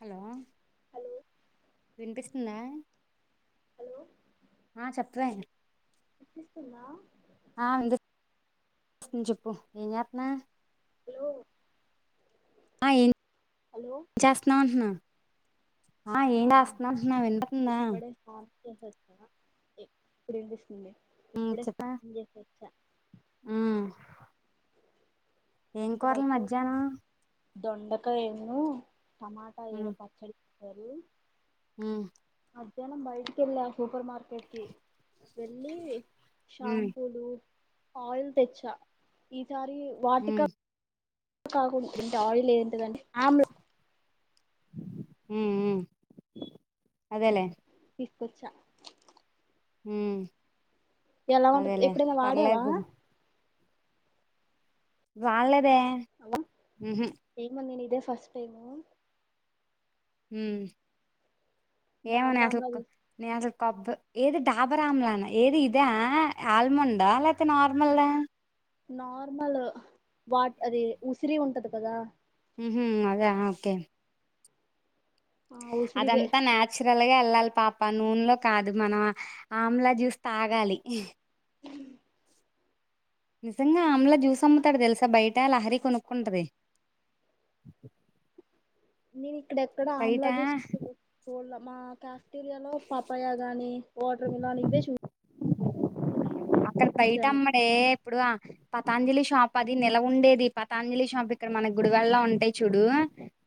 Hello hello వినిపిస్తుంద hello ఆ చెప్పు వే వినిపిస్తుంద ఆ వినిపిస్తుంది చెప్పు ఏ చేతన్నావ్ హలో ఆ ఏం హలో చేస్తున్నావు అంటున్నా ఆ ఏం చేస్తున్నావ్ అంటున్న వింటున్న ఇప్పుడే [inaudible] చెప్ప స్నానం చేసొచ్చా ఉ ఏం కోరలు మధ్యానం దొండకయ ను ఏమో టమాటా ఏదో పచ్చడి చేసారు హు మధ్యానం బయటికి వెళ్ళ సూపర్ మార్కెట్కి వెళ్ళి ఉమ్ షాంపూలు ఆయిల్ తెచ్చ ఈ సారి వాటిిక ఉమ్ [unintelligible] ఇంత ఆయిల్ ఎంతదండి ఆమ్ల అదేలేే తెచ్చ హు ఉంటది అదేలేే ఎప్పుడైనా వాడావా పర్లేదు రాలేదే ఉహు ఏమో నేను ఇదే ఫస్ట్ టైము ఏమో డాబర్ నేను అసలు ఆమ్లా నేను అసలు కొబ్బ ఏది డాబర్ ఆమ్లానా ఏది ఇదా ఆల్మండ లేకపోతే నార్మల్దా నార్మల్ వా అది ఉసిరి ఉంటది కదా హూ హు అద ఓకే ఆ ఊసిరిదే న్యచురల్ గ వెళ్ళాలి పాప నూనలో కాదు మనం ఆమ్లా జ్యూస్ తాగాలి నిజంగా ఆమ్ల జ్యూస్ అమ్ముతాడు తెలుసా బై ట లహరి కొనుకుంటది నేను ఇక్కడెక్కడ ఆమ్లా జ్యూస్ [unintelligible] [unintelligible] పాపాయ గనీ వాటర్ మిలాన్ ఇవే చు అక్కడ బయట అమ్మడే ఇప్పుడు పతాంజలి షాప్ అది నెల ఉండేది పతాంజలి షాప్ ఇక్కడ మన గుడివడలో ఉంటాయి చూడు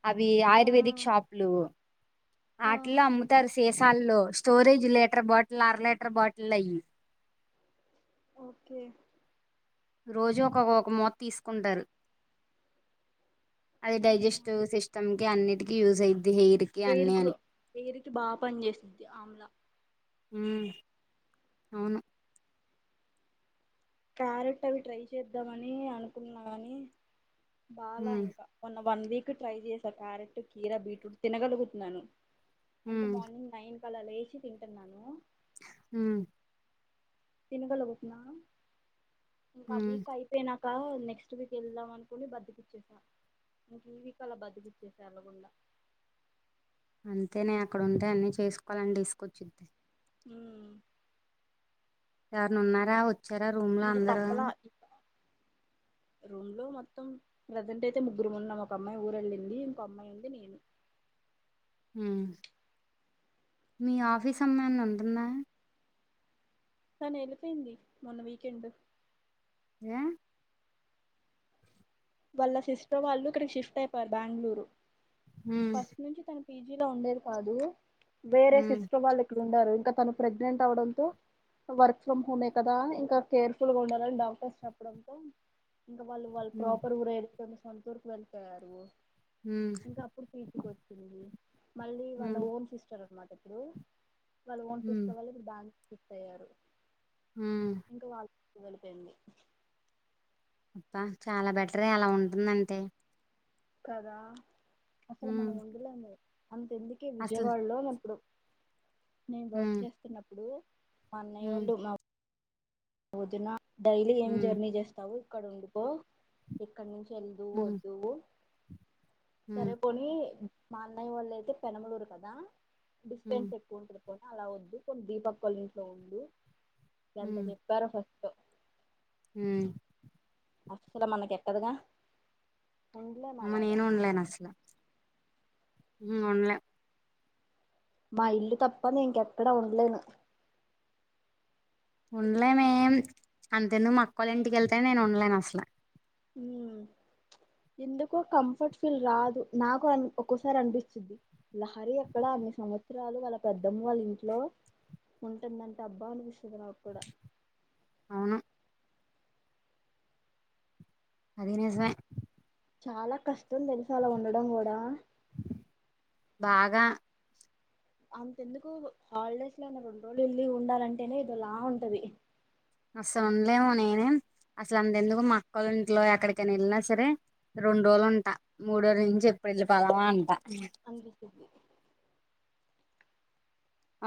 అవి ఆ ఆయుర్వేదిక్ షాపులు ఆ అట్లా అమ్ముతారు సి [unintelligible] స్టోరేజ్ లీటర్ బాటిల్ ఆర లీటర్ బాటిల్ అయ్యి ఓకే రోజు ఒకొ ఒక మోత తీసుకుంటారు అది అవునా డైజెస్టివ్ సిస్టమ్ కి అన్నికకి యూజ్ అయింది పేరుకు పేరుకి బాగా పని చేసిద్ది ఆమ్లా ఉ అవును క్యారెట్ అవి ట్రై చేద్దామని అనుకుంటున్నా కాని బాాల హ్మ్ ఇంకా కొన్న వన్ వీక్ ట్రై చేసా క్యారెట్ కీరా బీట్రూట్ తినగలుగుతున్నాను అంటే హ్మ్ మార్నింగ్ నైన్ అలా లేచి తింటున్నాను హ తినకల బతున్నా హ్మ్ ఇకాభ కా పేనా ఇంకా నెక్స్ట్ వీక్ వెళ్దాం అనుకుని బద్దకిచ్చేసాం ఇంక జీవకలా బతుకిచ్చేసా అలగండా అంతే నే అక్కడ ఉంటే అన్ని చేసుకోవాలని తీసుకొచ్చిద్ద ఉమ్ ఎవరన్న ఉన్నారా వచ్చార రూమ్ లో ఇంకా అందరు తప్పలా రూమ్ లో మొత్తం ప్రెజెంట్ అయితే ముగ్గురు ఉన్నాయ్ ఒక అమ్మాయి ఊరెళ్ళింది ఇంకో అమ్మాయి ఉంది నేను ఉమ్ ఆఫీస్ అమ్మాయిని ఉంటుందా కానీ వెళ్ళిపోయింది మొన్న వీకెండ్ ఏ వాళ్ళ సిస్టర్ వాళ్ళు ఇక్కడికి షిఫ్ట్ అయిపోయారు బెంగళూరు హ్మ్ ఫస్ట్ నుంచి తను పీజీలో ఉండేది కాదు వేరే హ్మ్ సిస్టర్ వాళ్ళు ఇక్కడ ఉండారు ఇంక తను ప్రెగ్నెంట్ అవ్వడంతో వర్క్ ఫ్రమ్ హోమే కదా ఇంకా కేర్ఫుల్ గా ఉండాలని డాక్టర్స్ చెప్పడంతో ఇంకా వాళ్ళు వాళ్ళు హ్మ్ ప్రాపర్ ఊర ఎకని సొంతూరుకు వెళ్ళిపోయారు హ్మ్ ఇంక అప్పుడు పీజీకి తీసుకొచ్చింది మళ్ళీ వాళ్ళ హ్మ్ ఓన్ సిస్టర్ అనమాట ఇప్పుడు వాళ్ళు ఓన్ హ్మ్ తీసుకోవళ్ళు ఇప్పుడు బాగ అయ్యారు ఉమ్ ఎల్లిపోయింది అ చాలా బెటరే అలా ఉంటుందంటే కదా అసలు హ్మ్ మనం అలా ఉండలేం అంతెందుకే అసలు విజయవాడలో ఇప్పుడు నేను వర్క్ హ్మ్ చేస్తున్నప్పుడు మా అన్నయ్య హ్మ్ వాళ్ళు మా వదిన డైలీ ఏం హ్మ్ జర్నీ చేస్తావు ఇక్కడ ఉండుకో ఇక్కడ నుంచి చల్దు హ్మ్ వద్దు హ్మ్ సరే కొని మా అన్నయ్య వాళ్ళు అయితే పెనమలూరు కదా హ్మ్ డిస్టెన్స్ ఎక్కువ ఉంటుంది ని అలా వద్దు కొన్ని దీపక్ కాల ఇంట్లో ఉండు ఎంత చె సస్ ఉ అస్సలు మన కెక్కదుగా అమ్మ నేను ఉండలేను అసల ఉండలే మా ఇల్లు తప్ప నే ఇంకెక్కడా ఉండలేను ఉండలే మే అంత ఎందుకు మాక్కళ్ళ ఇంటికెళ్తేనే నేను ఉండలేను అసలు మ్ ఎందుకో కంఫర్ట్ ఫీల్ రాదు నాకు ఒక్కోసారి అనిపిస్తుంది లహరి అక్కడ అన్ని సంవత్సరాలు వాళ్ళ పెద్దమ్మ వాళ్ళ ఇంట్లో ఉంటుందంటే అబ్బా అనిపిస్తు స్తది నాక్కూడా అవును అది నిజమె చాలా కష్టం తెలుసా అలా ఉండడం కూడా బాగా అంతెందుకు హాలిడేస్ లోయినా రెండు రోజులు వెళ్లి ఉండాలంటేనే ఏదోలా ఉంటది అసలు ఉండలేము నేనే అసలు అంతెందుకు మ అక్కలింట్లో ఎక్కడికనా వెళ్ళినా సరే రెండు రోజులు ఉంటా మూడో రోజు నుంచె వెళ్ళి పోదామా అంట అంగుకు చెప్పి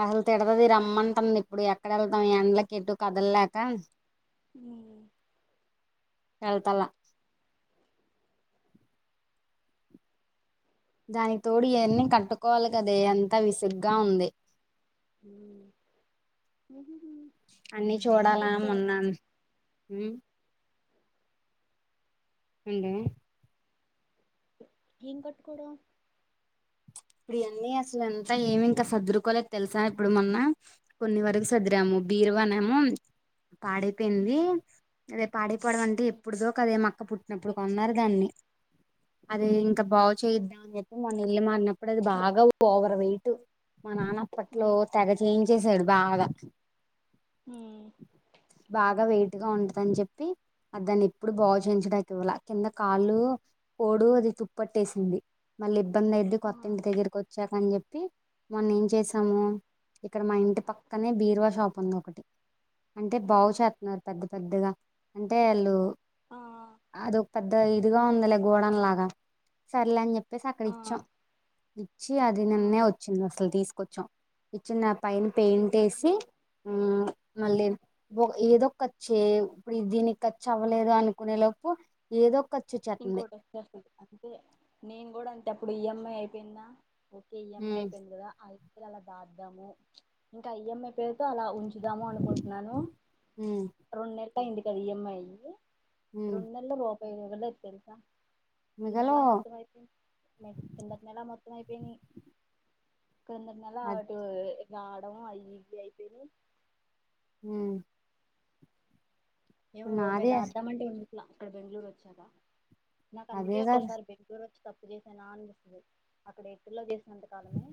అసలు తిడదది రమ్మంటుంది ఇప్పుడు ఎక్కడ వెళ్తాం ఎండ్లకి ఎటు కదలలేక ఉ ఎలతల దానికి తోడు ఇయన్నీ కట్టుకోవాలి కదే అంత విసుగ్గా ఉంది ఉ ఉహు అన్ని చూడాలా మన్నాను ఉండే ఏం కట్టుకోడం [unintelligible] [inaudible] ఇప్పుడియన్నీ అసలు ఎంత ఏమి ఇంకా సదురుకోలేదు తెలుసా ఇప్పుడు మొన్న కొన్ని వరకు సదిరాము బి తిరవన్నము పాడైపోయింది అదే పాడైపోవడం అంటే ఎప్పుడుదో కదే మక్క పుట్టినప్పుడు కొన్నారు అవును దాన్ని అదే ఇంకా బాగు చేయిద్దాం అని మొన్న ఇళ్లు మారినప్పుడు అది బాగా ఓవర్ వెయిట్ మా నాన్నప్పట్లో తెగ చేయించ చేసాడు బాగా ఊ బాగా వెయిట్గా ఉంటదని చెప్పి అది దాన్ని ఎప్పుడు బాగు చేయించడానికి ఇవ్వళ కింద కాళ్ళు కోడు అది తుప్పట్టేసింది మళ్ళీ ఇబ్బంది అయిది ఆ కొత్త ఇంటి దగ్గరకి వచ్చాకని చెప్పి మొన్న ఏం చేసాము ఇక్కడ మా ఇంటి పక్కనే బీర్వా షాప్ ఉంది ఒకటి అంటే బాగు చేస్తున్నారు పెద్ద పెద్దగా అంటే వాళ్ళు ఆ అదో పెద్ద ఇదిగా ఉందిలే గోడంలాగా సర్లే అని చెప్పేసి అక్కడ ఆ ఇచ్చాం ఇచ్చి అది ఆ నిన్నే వచ్చింది అసలు తీసుకొచ్చాం ఇచ్చింది నా పైన పెయింట్ వేసి ఆ మళ్ళీ ఏదో ఓ ఏదో కచ్చె ఇప్పుడు ఇది దీనికి ఖర్చు అవ్వలేదు అనుకునేలో ప్పు ఏదో ఖర్చు వచ్చేస్తుంది ఇంకోటి వచ్చేస్తుంది అంటే నేను కూడా అంతే అప్పుడు ఈఎంఐ అయిపోయింద ఓకే ఈఎంఐ మ్మ్ అయిపోయింది కదా ఆ అలా దాద్దాము ఇంకా ఈఎంఐపో అలా ఉంచుదాము అనుకుంటున్నాను మ్మ్ రెండు నెలలు అయింది కదా ఈఎంఐ అయి మ్మ్ రెండు నెలల లోపు ఇవ్వలేదు తెలుసా ఈ నెల మిగలో మొత్తం అయిపోయి కిందటి నెలా మొత్తం అయిపోయినయ్ కిందటి నెల అది అటు రావడము అవి ఇవి అయిపోయినయ్ ఉ ఏమో రూపాయి దాద్దాం అంటే ఉండట్లే ఇక్కడ బెంగళూరు వచ్చాక నాకు అందుకే అదే కదా ఒక్కోసారి బెంగళూరు తప్పు చేసా అనిపిస్తది అక్కడ ఎయిర్టెల్ లో చేసినంత కాలమే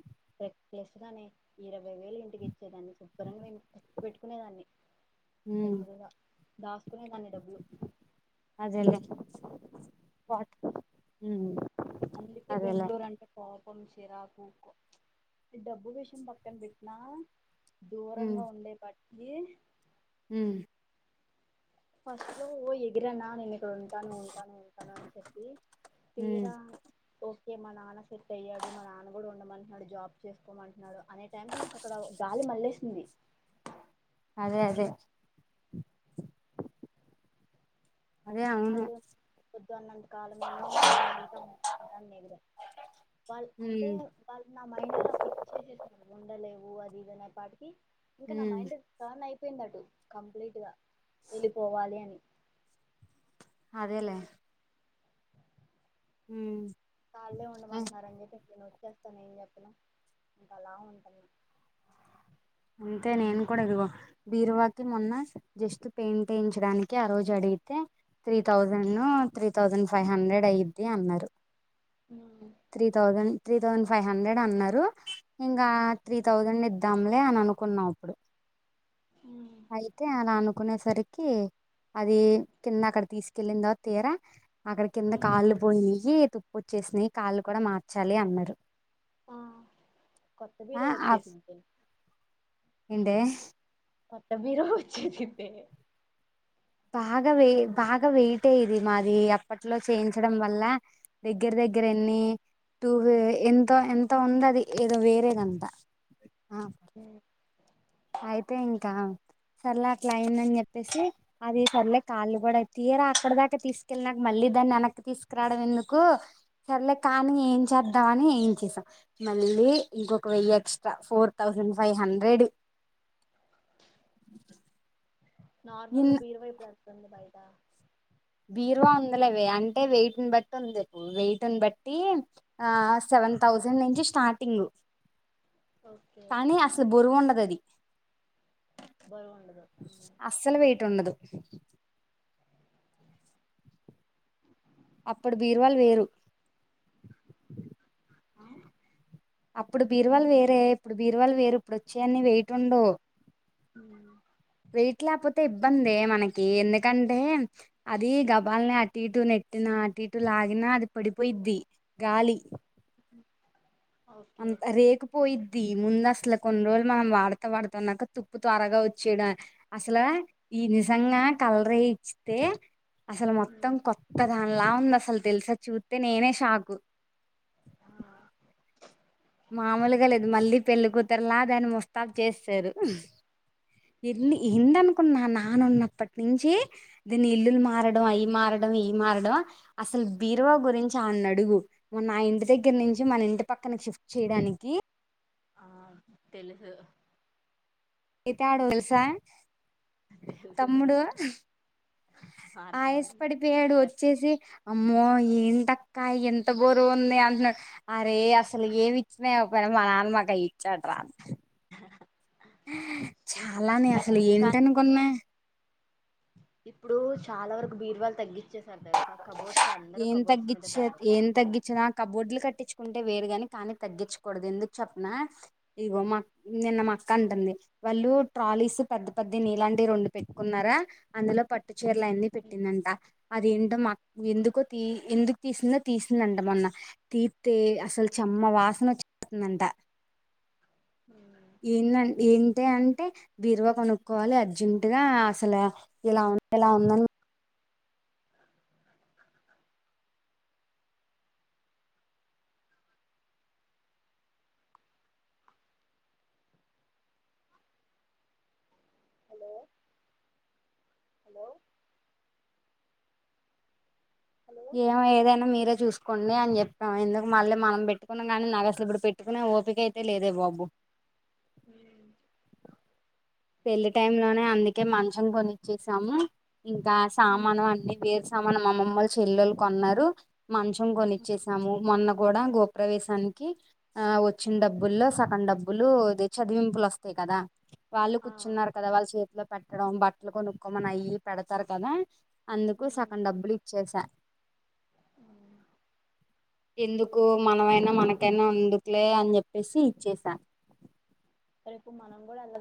రెక్లేస్ గానే ఇరవై వేలు ఇంటికి ఇచ్చేదాన్ని శుభ్రంగా ఎత్తి పేట్టుకునేదాన్ని మ్మ్ ఎక్కువగా దాసుకునే దాన్ని డబ్బులు అదేలే వాట్ అందుకే అదేలే బెంగళూరు అంటే కో కోపం, చిరాకు ఎక్కువ ప్చ్ డబ్బు విషయం పక్కన్ పెట్టినా దూరంగా ఉండే పాటికీ హ్మ ఫస్ట్ లో ఓ ఎగిరానా నేనే ఇక్కడు ఉంటాను ఉంటాను ఉంటాను అని చెప్పీ మ్మ్ తీరా తోస్ కే మా నాన్న సెట్ అయ్యాడు మా నాన్న గూడా ఉండమంటున్నాడు జాబ్ చేసుకోమంటున్నాడు. అనే టైం కి నాకు అక్కడా గాలి మళ్ళేశింది. అదే అదే అదే అవును ఆళ్ళు వొద్దు అన్నంతకాలమేమో నేన్ ఉంటాను ఉంటాను అని ఎగిరా వాళ్ళ్ అంటే మ్మ్ వాళ్ళు నా మైండ్ అలా ఫిక్స్ చేసేశారు నువ్ ఉండలేవు. వు అది ఇది అనే పాటికి ఇంకా నా మ్మ్ మైండ్ టార్న్ అయి పోయింది అటు కంప్లీట్ గా వెళ్ళిపోవాలి అని. అదేలేే హ్మ వాళ్ళే ఉండమంటున్నారు అని చెప్పసి నేనొచ్ చ్చేస్తా అని ఏం చెప్పను ఇంక అలా ఉంటున్న. అంతే నేను కూడా ఇదిగో బీరువాకి మొన్నా జస్ట్ పెయింట్ ఏయించడానికి ఆ రోజు అడి గితే త్రీ థౌజండ్ న్నో త్రీ థౌజండ్ ఫై హండ్రెడ్ అయిద్ది అన్నారు. Three thousand three thousand five hundred అన్నారు ఇంకా త్రీ థౌజండ్ ఇద్దాంలె లే అని అనుకున్నాం అప్పుడు అయితే అలా అను కునేసరికీ అదీ కిందా అక్కడ తీసుకెళ్ళిం తర్వాత తీరా అక్కడ కింద కాళ్ళు పొయ్యీ తుప్పు వచ్చేసినయి కాళ్ళు కూడా మార్చాలి అన్నారు. ఆ కొత్త ఆ బీరువా ఆ వచ్చేసుంటుంది ఏంటే కొత్త బీరువా వచ్చేసిద్దే. బాగా వే బాగా వెయిటే ఇదీ మాది అప్పట్లో చేయించడం వల్లా దగ్గర దగ్గర నీ టూ వే ఎంతో ఎంతో ఉంది అది ఏదో వేరేదంటా. అ అయితే ఇంకా సర్లే అట్లా అయిందని చెప్పేసీ అది సర్లే కాళ్ళు గూడా తీ తీరా అక్కడ దాకా తీసుకెళ్ళి నాక మళ్ళీ దాన్ని వెనక్కి తీసుకురావడం ఎందుకూ సర్లే కానీ ఏం చేద్ ద్దామనీ ఏఇంచేసాం మళ్ళీ ఇంకొక వెయ్యి extra four thousand five hundred. [inaudible] Normal గా ఇన్ బీరువా ఇప్పుడు ఎంతుంది బయటా. బీరువా ఉందిలేవే అంటే వెయిటున్ బట్టి ఉందిప్పుడు వెయిటున్ బట్టీ ఆ సెవెన్ థౌస్ సండ్ నుంచి స్టార్టింగు ఓకే కానీ అసలు బరువు ఉండదు అది. బరువు ఉండదు అస్సలు వెయిట్టుండదు. [inaudible] అప్పుడు బీర్వాల్ వేరు. ఆ అప్పుడు బీరువాలు వేరే ఇప్పుడు బీరువాలు వేరు ఇప్పుడు వచ్చేఅన్ని వెయిట్ ఉండవు. హ్మ్ వెయిట్ లేకపోతే ఇబ్బందే మనకీ ఎందుకంటే అదీ గబాల్నా అటు ఇటు నెట్టినా. అటు ఇటు లాగిన అది పడిపోయిద్ది గాలి అ అంత రేకిపోయిద్ది ముందు అసలు కొన్ని రోజులు మనం వాడతా వాడతాన్నాక తుప్పు త్వరగా వచ్చేయడం అసల ఈ నిజంగా కలర్ వేయిచితే అసలు మొత్తం కొత్త దానిలా ఉంది అసలు తెలుసా చూస్తే నేనే షాకు మామూలుగా లేదు మళ్ళీ పెళ్ళికుతురులా దాన్ని ముస్తాబ్ చేసేసారు ఎన్ని ఎన్ననుకున్నా నాన్న ఉన్నప్పటి నుంచి దీన్ని ఇల్లులు మారడం అయి మారడం ఇయ్యి మారడం అసలు బీరువా గురించి ఆయన్ని అడుగు మొన్న ఆ ఇంటి దగ్గర నుంచి మన ఇంటి పక్కన షిఫ్ట్ చేయడానికి ఆ తెలుసు అయితాడు తెలుసా తెలుసు తమ్ముడు ఆయాస అర్థమని పడిపోయాడు చెప్ వచ్చేసి అమ్మో ఏంట క్క ఎంత బరువు ఉంది అంటున్నాడు అరే అసలు ఏమి ఇచ్చినా ఇవ్వకపోయినా మా నాన్న మాకయ్యి ఇచ్చాడు రా [inaudible] చాలానే అసలు కానీ ఏంటను కొన్నా ఇప్పుడు చాలా వరకు బీరువాలు తగ్గిచే ఏం తగ్గిచ్చ పడ్డారు ఏం తగ్గించిన కబోర్డులు కట్టించు కుంటే వేరుగాని కానీ తగ్గిచకూడదు ఎందుకు చెప్పన ఇగో మా నిన్న మా అక్క అంటుంది వాళ్ళు ట్రాలీస్ పెద్ద పెద్ద నీలాంటివి రెండు పెట్టుకున్నారా అందులో పట్టు చీరలు అయన్ని పెట్టిందంట అదింట ఎందుకో తీ ఎందుకు తీసిందో తీసిందంట మొన్న తీత్తే అసలు చెమ్మ వాసన ట ఎంధన్ ఏంటి అంటే బీరువ కొనుక్కోవాలి అర్జెంట్గా అసలు ఇలా ఇలా ఉందని హలో హలో హలో ఏమో ఏదైనా మీరే చూసుకోండి అని చెప్పాం ఎందుకు మళ్ళీ మనం పెట్టుకున్నాం కానీ నాకు అసలు ఇప్పుడు పెట్టుకునే ఓపిక అయితే లేదే బాబు హ పెళ్లి టైమ్ లోనే అందుకే మంచం కొనిచ్చేసాము ఇంకా మ్ సామాను అన్ని వే సామాను మఅమ్మమ్మలు చెల్లెలు కొన్నారు మంచం కొనిచ్చేసాము మొన్న కూడా గృహ ప్రవేశానికి ఆ వచ్చిన డబ్బుల్లో సగం డబ్బులు అదే చదివింపులు వస్తాయి కదా వాళ్ళు ఆ కూర్చున్నారు కదా వాళ్ళు చేతిలో పెట్టడం బట్టలు కొనుక్కోమని అయి ఇయ్యి పెడతారు కదా అందుకు సగం డబ్బులు ఇచ్చేసా ఎందుకు మనమైనా మనకైనా ఎందుకులే అని చెప్పేసి ఇచ్చేసా రేపు మనం కూడా అ